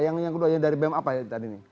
yang kedua yang dari bem apa ya tadi nih